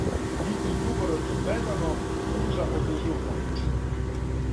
Нити, дугорочно гледано, пружа одрживу помоћ.